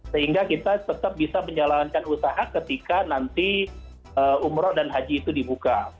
sehingga kita tetap bisa menjalankan usaha ketika nanti umroh dan haji itu dibuka